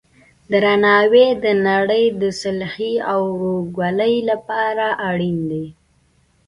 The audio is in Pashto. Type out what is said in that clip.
درناوی د نړۍ د صلحې او ورورګلوۍ لپاره اړین دی.